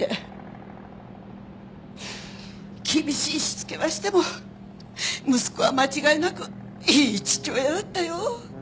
厳しいしつけはしても息子は間違いなくいい父親だったよ。